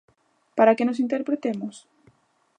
Para que nós interpretemos?